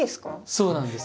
そうなんです。